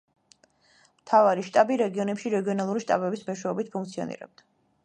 მთავარი შტაბი რეგიონებში რეგიონალური შტაბების მეშვეობით ფუნქციონირებდა.